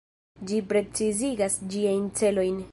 Ĝi precizigas ĝiajn celojn.